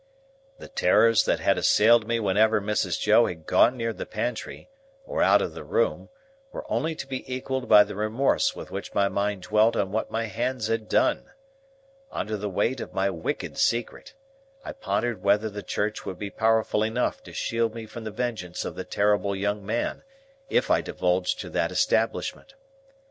The terrors that had assailed me whenever Mrs. Joe had gone near the pantry, or out of the room, were only to be equalled by the remorse with which my mind dwelt on what my hands had done. Under the weight of my wicked secret, I pondered whether the Church would be powerful enough to shield me from the vengeance of the terrible young man, if I divulged to that establishment.